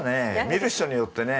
見る人によってね